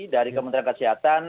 dari kementerian kesehatan